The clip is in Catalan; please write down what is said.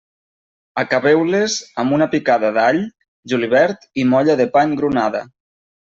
Acabeu-les amb una picada d'all, julivert i molla de pa engrunada.